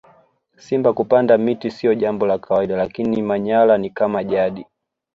simba kupanda miti siyo Jambo la kawaida lakini manyara ni kama jadi